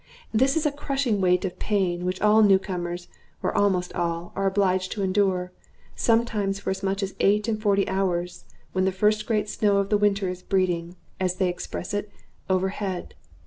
This is a crushing weight of pain, which all new comers, or almost all, are obliged to endure, sometimes for as much as eight and forty hours, when the first great snow of the winter is breeding, as they express it, overhead.